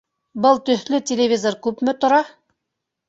Был төҫлө телевизор күпме тора?